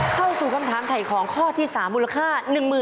เข้าสู่คำถามถ่ายของข้อที่๓มูลค่า